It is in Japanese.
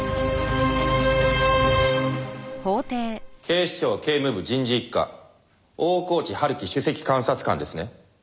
警視庁警務部人事一課大河内春樹首席監察官ですね？